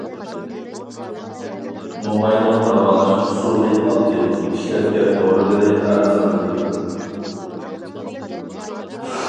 موماينىڭ داۋالاش ئۇسۇلى ئاددىي، ئىشلەتكەن دورىلىرى ئەرزان ئىدى.